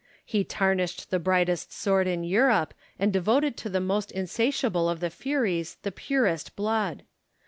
He tarnished the brightest sword in Europe, and devoted to the most insatiable of the Furies the purest blood